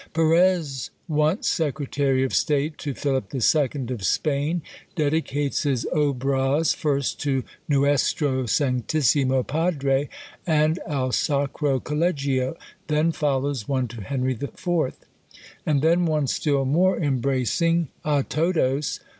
Perez, once secretary of state to Philip II. of Spain, dedicates his "Obras," first to "Nuestro sanctissimo Padre," and "Al Sacro Collegio," then follows one to "Henry IV.," and then one still more embracing, "A Todos."